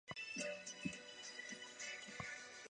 四川南溪人。